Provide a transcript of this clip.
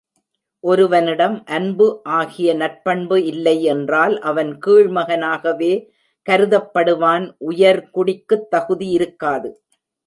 ஒருவனிடம் அன்பு ஆகிய நற்பண்பு இல்லை என்றால் அவன் கீழ்மகனாகவே கருதப்படுவான் உயர்குடிக்குத் தகுதி இருக்காது.